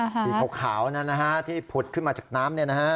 สีขาวนั้นนะฮะที่ผลดขึ้นมาจากน้ำนี่นะฮะ